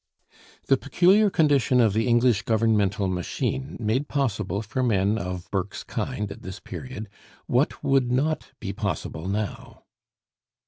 The peculiar condition of the English governmental machine made possible for men of Burke's kind at this period what would not be possible now.